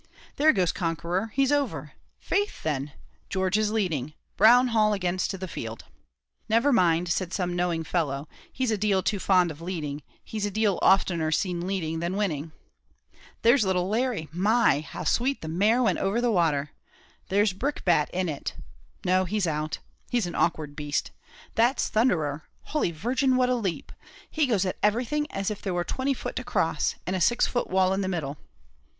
"There goes Conqueror he's over! Faith then, George is leading. Brown Hall against the field!" "Never mind," said some knowing fellow, "he's a deal too fond of leading he's a deal oftener seen leading than winning." "There's little Larry my! how sweet the mare went over the water. There's Brickbat in it; no, he's out. He's an awkward beast. That's Thunderer Holy Virgin, what a leap! He goes at everything as if there were twenty foot to cross, and a six foot wall in the middle."